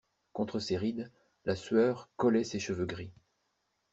Contre ses rides, la sueur collait ses cheveux gris.